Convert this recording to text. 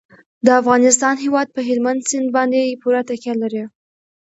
د افغانستان هیواد په هلمند سیند باندې پوره تکیه لري.